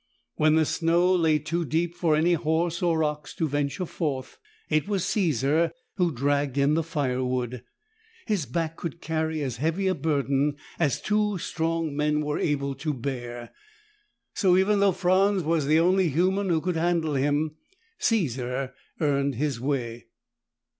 When the snow lay too deep for any horse or ox to venture forth, it was Caesar who dragged in the firewood. His back could carry as heavy a burden as two strong men were able to bear, so, even though Franz was the only human who could handle him, Caesar earned his way.